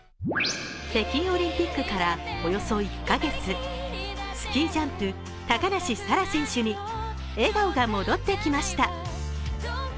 北京オリンピックからおよそ１カ月スキージャンプ・高梨沙羅選手に笑顔が戻ってきました。